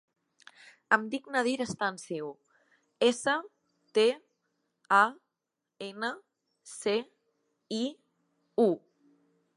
Em dic Nadir Stanciu: essa, te, a, ena, ce, i, u.